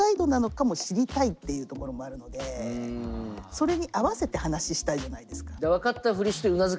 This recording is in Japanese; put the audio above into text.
それに合わせて話したいじゃないですか。